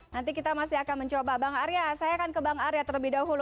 nanti kita masih akan mencoba bang arya saya akan ke bang arya terlebih dahulu